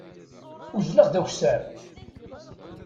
Uzzleɣ d akessar.